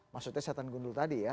maksudnya setan gundul tadi ya